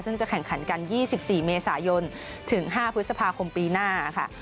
ซึ่งจะแข่งขันกัน๒๔เมษายนถึง๕พฤษภาคมปีหน้าค่ะ